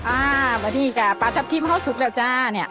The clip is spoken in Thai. อ้าวมาดีกับปลาทับทิมข้าวสุกแล้วจ้ะเนี่ย